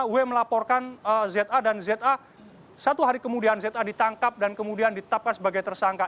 dua puluh lima w melaporkan za dan za satu hari kemudian za ditangkap dan kemudian ditapkan sebagai tersangka